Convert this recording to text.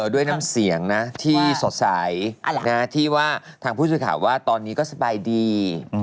ด้วยน้ำเสียงนะที่สดใสที่ว่าทางผู้สื่อข่าวว่าตอนนี้ก็สบายดี